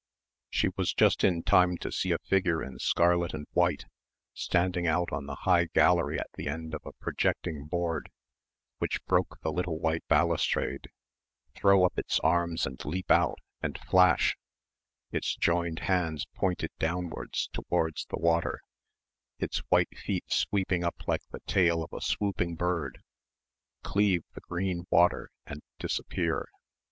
She was just in time to see a figure in scarlet and white, standing out on the high gallery at the end of a projecting board which broke the little white balustrade, throw up its arms and leap out and flash its joined hands pointed downwards towards the water, its white feet sweeping up like the tail of a swooping bird cleave the green water and disappear.